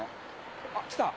あっ、来た。